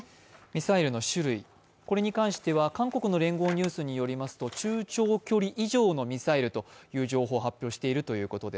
ミサイルの種類に関しては韓国の聯合ニュースによりますと中・長距離以上のミサイルという情報を発表しているということ。